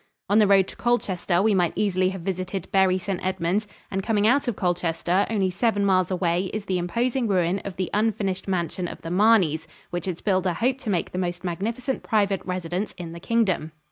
On the road to Colchester we might easily have visited Bury St. Edmunds, and coming out of Colchester, only seven miles away is the imposing ruin of the unfinished mansion of the Marneys, which its builder hoped to make the most magnificent private residence in the Kingdom.